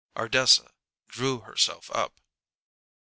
Ardessa drew herself up.